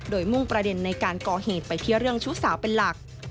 โดยมุ่งประเด็นในการก่อเหตุไปที่เรื่องชู้สาวเป็นหลัก